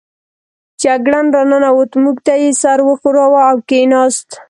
جګړن را ننوت، موږ ته یې سر و ښوراوه او کېناست.